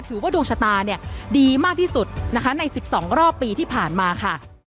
ถือว่าดวงชะตาเนี่ยดีมากที่สุดนะคะใน๑๒รอบปีที่ผ่านมาค่ะ